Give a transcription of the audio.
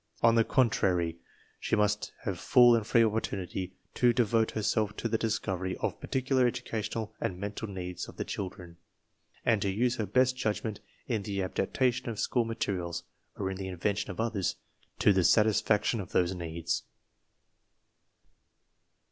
On the contrary, she must have full and free opportunity to devote herself to the discovery of particular educational and mental needs of the children, and to use her best judgment in the adaptation of school materials (or in the invention of others) to the satisfaction of those needs.